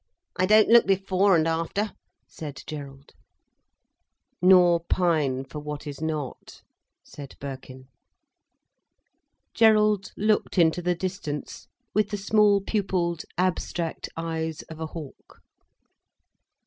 I don't look before and after," said Gerald. "Nor pine for what is not," said Birkin. Gerald looked into the distance, with the small pupilled, abstract eyes of a hawk.